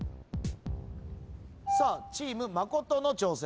さあチーム真琴の挑戦です。